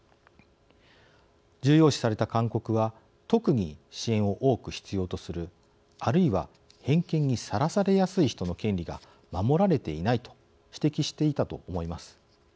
重要視された勧告は特に支援を多く必要とするあるいは偏見にさらされやすい人の権利が守られていないと指摘していたと思います。